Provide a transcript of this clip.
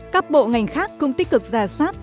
các bộ ngành khác cũng tích cực giả sát